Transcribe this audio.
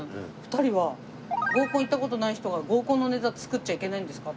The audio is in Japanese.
２人は合コン行った事ない人が合コンのネタ作っちゃいけないんですか？